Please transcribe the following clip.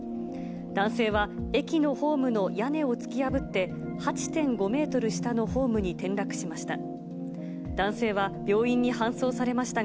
男性は駅のホームの屋根を突き破って、８．５メートル下のホームに転落しました。